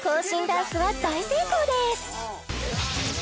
ダンスは大成功です！